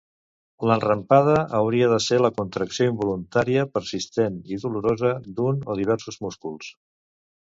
L'enrampada hauria de ser la contracció involuntària, persistent i dolorosa d'un o diversos músculs.